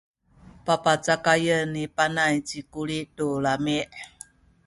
papacakayen ni Panay ci Kuli tu lami’.